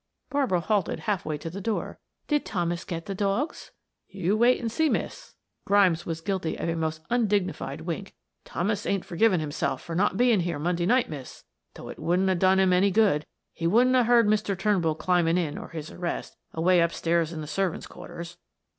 Barbara halted half way to the door. "Did Thomas get the dogs?" "You wait and see, miss." Grimes was guilty of a most undignified wink. "Thomas ain't forgiven himself for not being here Monday night, miss; though it wouldn't a done him any good; he wouldn't a heard Mr. Turnbull climbing in or his arrest, away upstairs in the servants' quarters."